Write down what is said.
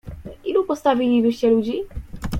"Ilu postawilibyście ludzi?"